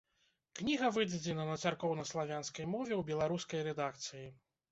Кніга выдадзена на царкоўна-славянскай мове ў беларускай рэдакцыі.